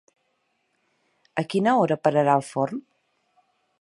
A quina hora pararà el forn?